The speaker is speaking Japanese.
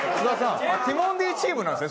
ティモンディチームなんですね